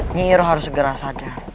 nyi iroh harus segera sadar